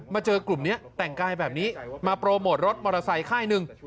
เจอกลุ่มนี้แต่งกายแบบนี้มาโปรโมทรถมอเตอร์ไซค่ายหนึ่ง